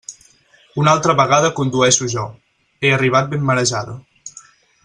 Una altra vegada condueixo jo; he arribat ben marejada.